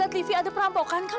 masih betul apa ini